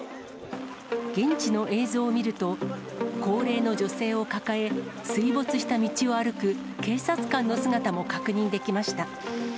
現地の映像を見ると、高齢の女性を抱え、水没した道を歩く検察官の姿も確認できました。